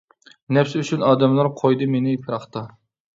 نەپسى ئۈچۈن ئادەملەر، قويدى مېنى پىراقتا.